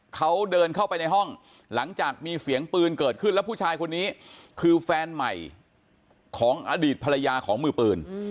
เขาเดินเข้าไปในห้องหลังจากมีเสียงปืนเกิดขึ้นแล้วผู้ชายคนนี้คือแฟนใหม่ของอดีตภรรยาของมือปืน